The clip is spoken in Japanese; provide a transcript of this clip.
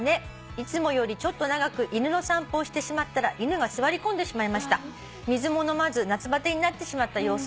「いつもよりちょっと長く犬の散歩をしてしまったら犬が座り込んでしまいました」「水も飲まず夏バテになってしまった様子です」